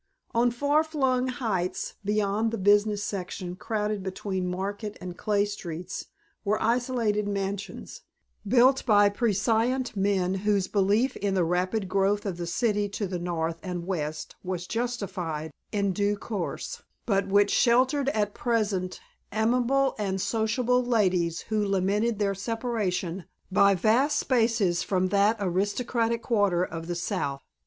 On far flung heights beyond the business section crowded between Market and Clay Streets were isolated mansions, built by prescient men whose belief in the rapid growth of the city to the north and west was justified in due course, but which sheltered at present amiable and sociable ladies who lamented their separation by vast spaces from that aristocratic quarter of the south.